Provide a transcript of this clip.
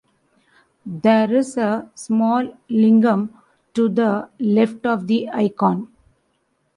There is a small Lingam to the left of the icon.